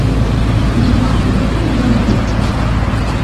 Не мае выхаду да мора.